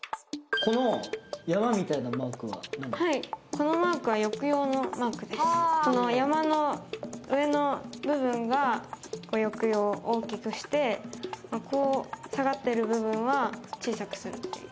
このマークはこの山の上の部分が抑揚を大きくしてこう下がってる部分は小さくするっていう。